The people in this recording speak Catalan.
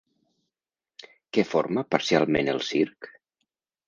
Què forma parcialment el circ?